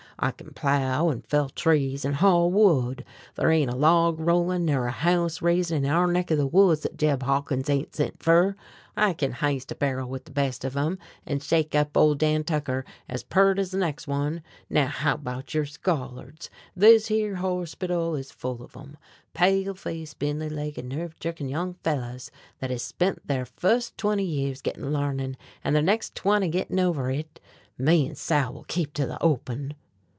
I kin plow, an' fell trees, an' haul wood. Thar ain't a log rollin' ner a house raisin' in our neck of the woods thet Jeb Hawkins ain't sent fer. I kin h'ist a barrel with the best of 'em, and shake up Ole Dan Tucker ez peart ez the next one. Now how about yer scholards? This here horspittle is full of 'em. Pale faced, spindly legged, nerve jerking young fellows thet has spent ther fust twenty years gittin' larnin', an' ther next twenty gittin' over hit. Me an' Sal will keep to the open!"